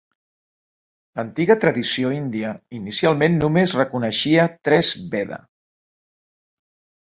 L'antiga tradició índia inicialment només reconeixia tres Veda.